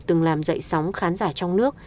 từng làm dậy sóng khán giả trong nước